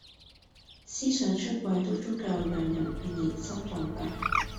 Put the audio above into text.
思想出軌都足夠讓人怦然心動吧！